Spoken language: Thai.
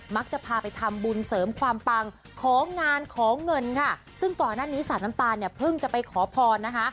พาไปทำบุญเสริมความปังของานขอเงินค่ะซึ่งก่อนหน้านี้สาวน้ำตาลเนี่ยเพิ่งจะไปขอพรนะคะ